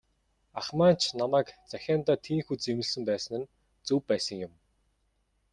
Ах маань ч намайг захиандаа тийнхүү зэмлэсэн байсан нь зөв байсан юм.